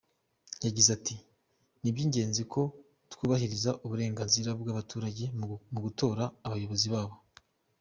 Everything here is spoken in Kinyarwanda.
Yagize ati “Ni iby’ingenzi ko twubahiriza uburenganzira bw’abaturage mu gutora abayobizi babo.